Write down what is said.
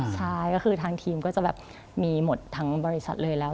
ใช่ก็คือทางทีมก็จะแบบมีหมดทั้งบริษัทเลยแล้ว